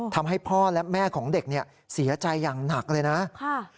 ทำให้พ่อและแม่ของเด็กเนี่ยเสียใจอย่างหนักเลยนะ